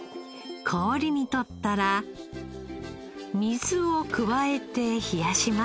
氷に取ったら水を加えて冷やします。